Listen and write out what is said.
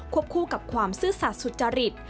คู่กับความซื่อสัตว์สุจริต